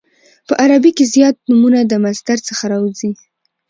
په عربي کښي زیات نومونه د مصدر څخه راوځي.